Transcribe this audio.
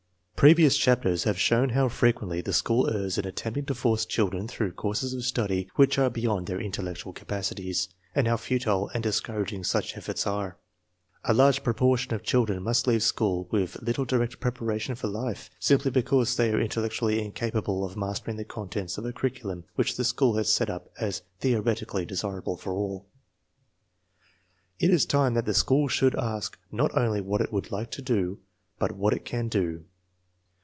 Previous chapters have shown how frequently the school errs in attempting to force children through courses of study which are beyond their intellectual capacities, and how futile and discouraging such ef forts are. A large proportion of children must leave school with little direct preparation for life, simply because they are intellectually incapable of mastering the contents of a curriculum which the school has set up as theoretically desirable for alL, It is time that the school should ask not only what it would like to do, but what it can do.